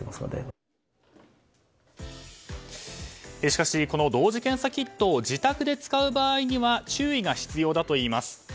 しかし、この同時検査キットを自宅で使う場合には注意が必要だといいます。